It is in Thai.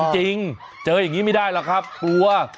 จริงเจออย่างนี้ไม่ได้หรอกครับกลัว